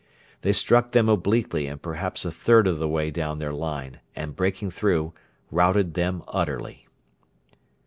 They struck them obliquely and perhaps a third of the way down their line, and, breaking through, routed them utterly.